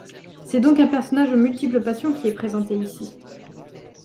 C'est donc un personnage aux multiples passions qui est présenté ici.